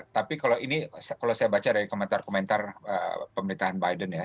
tapi kalau ini kalau saya baca dari komentar komentar pemerintahan biden ya